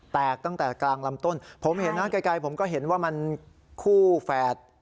แตกตั้งแต่กลางลำต้นผมเห็นนะไกลผมก็เห็นว่ามันคู่แฝด